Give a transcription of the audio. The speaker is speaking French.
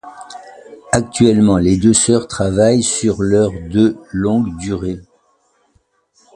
Actuellement, les deux sœurs travaillent sur leur de longue durée.